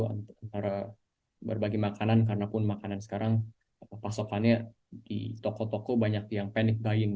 antara berbagi makanan karenapun makanan sekarang pasokannya di toko toko banyak yang panic buying